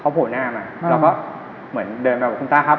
โผล่หน้ามาเราก็เหมือนเดินไปบอกคุณตาครับ